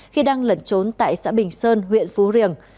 khi đang lẩn trốn tại xã bình sơn huyện phú riềng